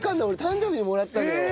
俺誕生日にもらったのよ。